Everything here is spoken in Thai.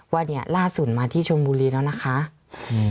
ว่าเนี้ยล่าสุดมาที่ชนบุรีแล้วนะคะอืม